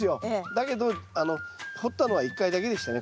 だけど掘ったのは１回だけでしたね。